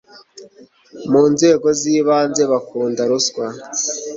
mu nzego zibanze bakunda ruswa